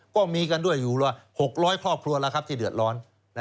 ก็มีกันด้วยอยู่๖๐๐ครอบครัวแล้วครับที่เดือดร้อน